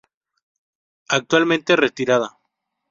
Actualmente retirada.